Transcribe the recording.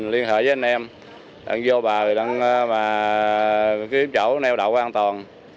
liên hợp với anh em vô bờ để kiếm chỗ neo đậu an toàn